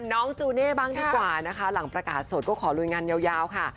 จูเน่บ้างดีกว่านะคะหลังประกาศสดก็ขอลุยงานยาวค่ะ